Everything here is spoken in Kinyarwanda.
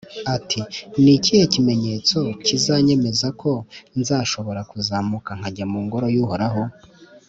ati «Ni ikihe kimenyetso kizanyemeza ko nzashobora kuzamuka nkajya mu Ngoro y’Uhoraho ?